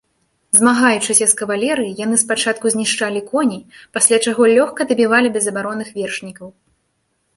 Змагаючыся з кавалерыяй, яны спачатку знішчалі коней, пасля чаго лёгка дабівалі безабаронных вершнікаў.